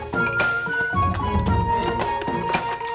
terus terus berhati hati